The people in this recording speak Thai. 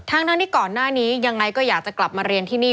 ทั้งที่ก่อนหน้านี้ยังไงก็อยากจะกลับมาเรียนที่นี่